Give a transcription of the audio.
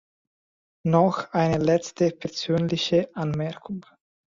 Noch eine letzte persönliche Anmerkung.